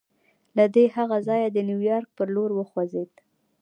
دی له هغه ځایه د نیویارک پر لور وخوځېد